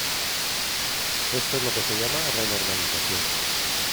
Esto es lo que se llama "renormalización".